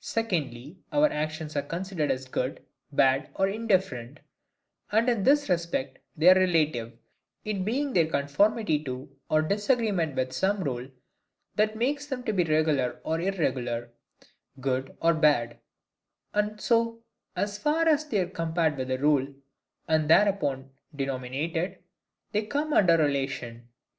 Secondly, our actions are considered as good, bad, or indifferent; and in this respect they are RELATIVE, it being their conformity to, or disagreement with some rule that makes them to be regular or irregular, good or bad; and so, as far as they are compared with a rule, and thereupon denominated, they come under relation.